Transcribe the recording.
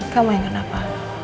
kamu yang kenapa